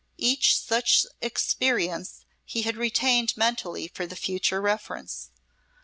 Each such experience he had retained mentally for future reference.